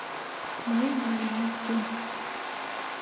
Мыйын марием тудо.